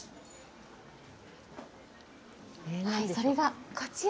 それがこちら。